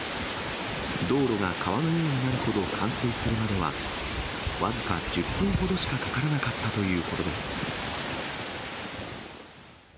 道路が川のようになるほど冠水するまでには、僅か１０分ほどしかかからなかったということです。